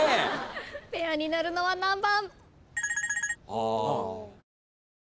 ペアになるのは何番？